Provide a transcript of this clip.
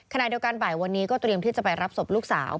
ขณะเดียวกันบ่ายวันนี้ก็เตรียมที่จะไปรับศพลูกสาว